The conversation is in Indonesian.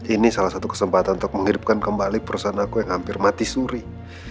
ini salah satu kesempatan untuk menghidupkan kembali perusahaan aku yang hampir mati suri